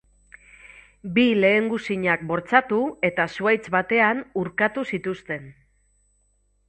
Bi lehengusinak bortxatu eta zuhaitz batean urkatu zituzten.